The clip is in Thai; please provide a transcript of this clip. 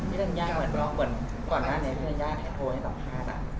พี่ธัญญาเหมือนกับเหมือนก่อนหน้านี้พี่ธัญญาโทรให้กับภาษณ์